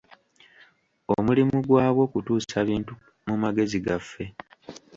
Omulimu gwabwo kutuusa bintu mu magezi gaffe.